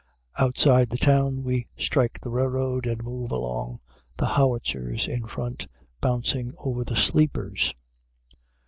Outside the town, we strike the railroad and move along, the howitzers in front, bouncing over the sleepers.